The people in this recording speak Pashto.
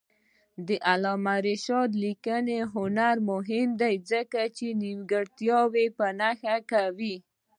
د علامه رشاد لیکنی هنر مهم دی ځکه چې نیمګړتیاوې په نښه کوي.